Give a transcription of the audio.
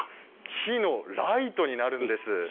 木のライトになるんです。